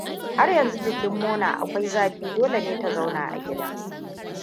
Har yanzu jikin Mona akwai zafi dole ne ta zauna a gida.